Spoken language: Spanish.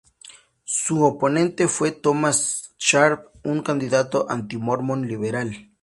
Su oponente fue Thomas C. Sharp, un candidato anti-Mormon Liberal.